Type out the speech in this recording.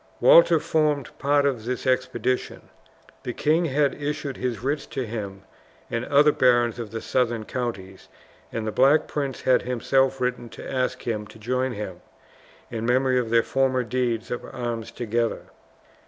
Walter formed part of this expedition. The king had issued his writs to him and other barons of the southern counties, and the Black Prince had himself written to ask him to join him, in memory of their former deeds of arms together.